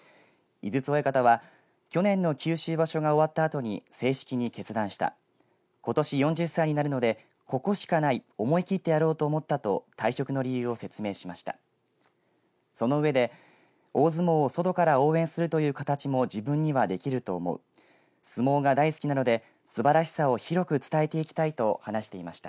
井筒親方は去年の九州場所が終わったあとに正式に決断したことし４０歳になるのでここしかない思い切ってやろうと思ったと退職の理由を説明しました。